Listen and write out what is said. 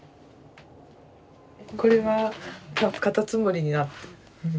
これはカタツムリになってる。